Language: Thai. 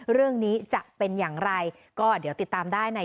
เรื่องนี้จะเป็นอย่างไรก็เดี๋ยวติดตามได้ใน